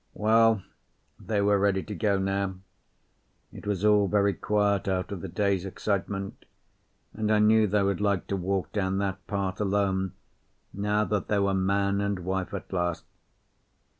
Well, they were ready to go now. It was all very quiet after the day's excitement, and I knew they would like to walk down that path alone now that they were man and wife at last.